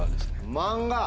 漫画！